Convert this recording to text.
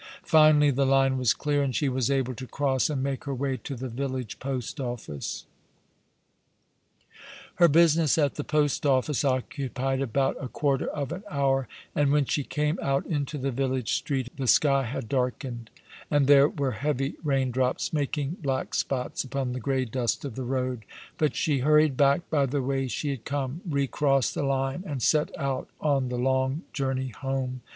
Finally the line was clear, and she was able to cross and make her way to the village post office. Her business at the post office occupied about a quarter of an hour, and when she came out into the village stieet the sky had darkened, and there were heavy rain drops making black spots upon the grey dust of the road ; but she hurried back by the way she had come, recrossed the line, and set out on the long journey home.